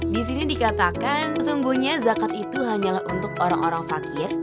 disini dikatakan sesungguhnya zakat itu hanyalah untuk orang orang fakir